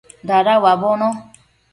Dada uabono